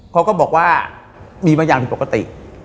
เขาก็บอกว่ามีบางอย่างผิดปกติ